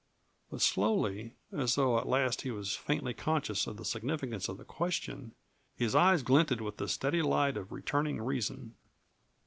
But slowly, as though at last he was faintly conscious of the significance of the question, his eyes glinted with the steady light of returning reason.